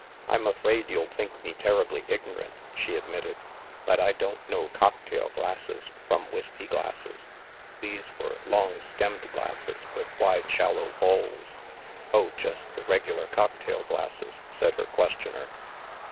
" I'm afraid you'll think me terribly ignorant," she admitted, " but I don't know cocktail glasses THE MAELSTROM 177 from whisky glasses. These were long stemmed glasses, with wide shallow bowls." " Oh, just the regular cocktail glasses,'* said her questioner.